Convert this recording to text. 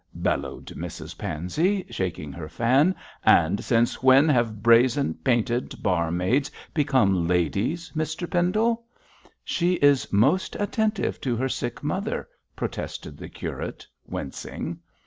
bellowed Mrs Pansey, shaking her fan; 'and since when have brazen, painted barmaids become ladies, Mr Pendle?' 'She is most attentive to her sick mother,' protested the curate, wincing.